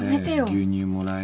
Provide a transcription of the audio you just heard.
牛乳もらえて。